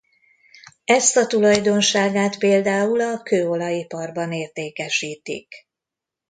Ezt a tulajdonságát például a kőolajiparban értékesítik.